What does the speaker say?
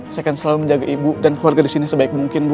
saya akan selalu menjaga ibu dan keluarga di sini sebaik mungkin bu